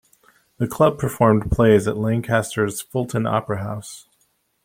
The club performed plays at Lancaster's Fulton Opera House.